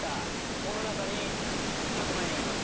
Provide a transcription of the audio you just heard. この中に１００万円がいます。